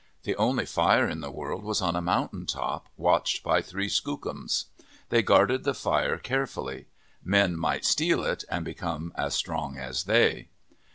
The only fire in the world was on a mountain top, watched by three Skookums. They guarded the fire carefully. Men might steal it and become as strong as they.